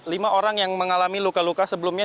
lima orang yang mengalami luka luka sebelumnya